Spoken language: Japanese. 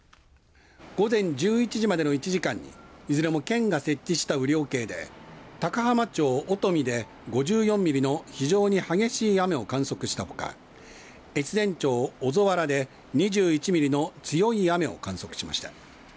午前１１時までの１時間にいずれも県が設置した雨量計で高浜町音海で５４ミリの非常に激しい雨を観測したほか越前町小曽原で２１ミリの強い雨を観測しました。